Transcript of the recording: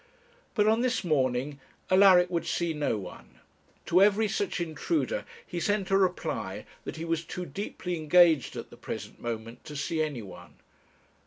But on this morning Alaric would see no one; to every such intruder he sent a reply that he was too deeply engaged at the present moment to see any one.